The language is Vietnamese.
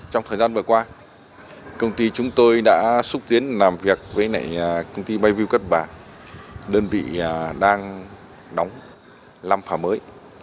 trong thời gian vừa qua công ty chúng tôi đã xúc tiến làm việc với công ty bayview cất bà đơn vị đang đóng năm phà mới